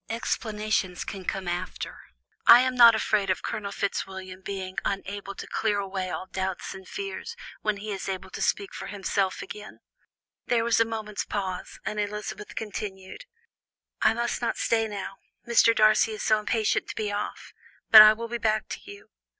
Explanations can come after. I am not afraid of Colonel Fitzwilliam being unable to clear away all doubts and fears when he is able to speak for himself again." There was a moment's pause, and Elizabeth continued: "I must not stay now. Mr. Darcy is so impatient to be off, but I will be back to you.